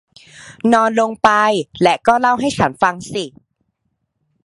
นอนลงไป และก็เล่าให้ฉันฟังสิ